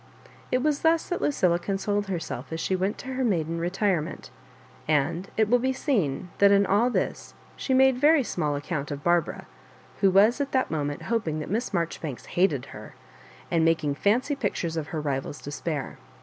It was thus that Lucilla consoled herself as she went to her maiden retirement; and it will be seen that in all this she made very small account of Barbara, who was at that moment hoping that Miss Marjoribanks hated her, and making fimcy pictures of her rival's despair.